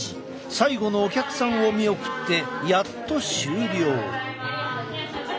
最後のお客さんを見送ってやっと終了。